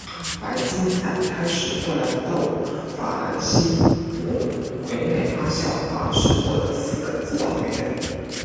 白金在一开始为了逗法兰西奴傀儡发笑而制作的四个自动傀儡。